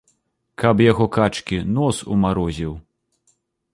Каб яго качкі, нос умарозіў.